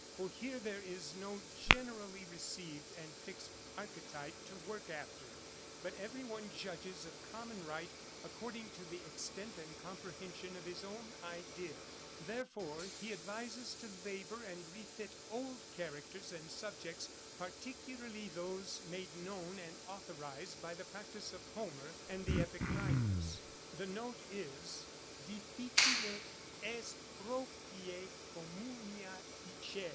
For here there is no generally received and fixed archetype to work after, but every one judges of common right, according to the extent and comprehension of his own idea; therefore he advises to labour and refit old characters and subjects, particularly those made known and authorised by the practice of Homer and the Epick writers.' The 'Note' is, 'Difficile EST PROPRIE COMMUNIA DICERE.'